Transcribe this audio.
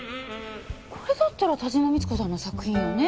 これだったら田島三津子さんの作品よね。